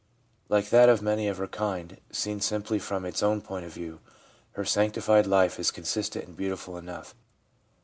Like that of many of her kind, seen simply from its own point of view, her sanctified life is consistent and beautiful enough.